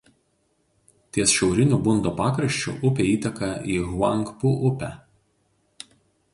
Ties šiauriniu Bundo pakraščiu upė įteka į Huangpu upę.